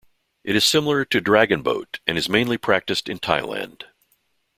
It is similar to dragon boat and is mainly practiced in Thailand.